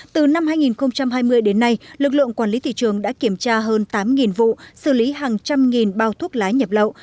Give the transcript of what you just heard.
từ năm hai nghìn hai mươi đến nay lực lượng quản lý thị trường đã kiểm tra hơn tám vụ xử lý hàng trăm nghìn bao thuốc lá nhập lậu